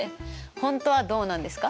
本当はどうなんですか？